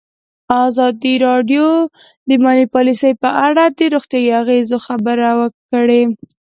ازادي راډیو د مالي پالیسي په اړه د روغتیایي اغېزو خبره کړې.